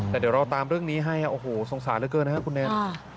แต่เดี๋ยวเราตามเรื่องนี้ให้โอ้โหสงสารเหลือเกินนะครับคุณแนน